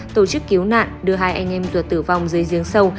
tổ chức cứu nạn đưa hai anh em ruột tử vong dưới giếng sâu